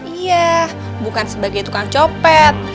iya bukan sebagai tukang copet